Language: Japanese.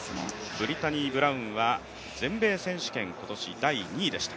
ブリッタニー・ブラウンは今年、全米選手権第２位でした。